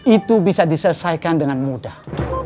itu bisa diselesaikan dengan mudah